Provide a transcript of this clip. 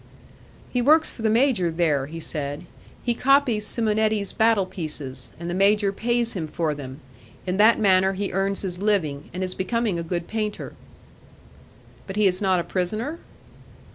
"He works for the major there," he said; "he copies Simonetti's battle pieces, and the major pays him for them; in that manner he earns his living, and is becoming a good painter." "But he is not a prisoner?"